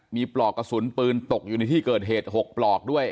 มีปลอกกระสุนปืนตกอยู่ในที่เกิดเหตุ๖ปลอกด้วย